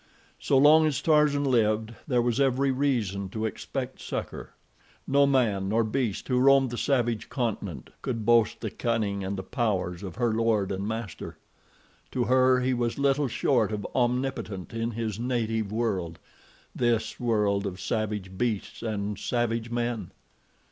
So long as Tarzan lived there was every reason to expect succor. No man nor beast who roamed the savage continent could boast the cunning and the powers of her lord and master. To her, he was little short of omnipotent in his native world—this world of savage beasts and savage men.